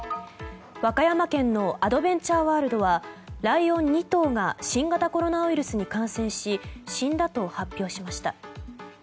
和歌山県のアドベンチャーワールドはライオン２頭が新型コロナウイルスに感染し死んだと発表しました。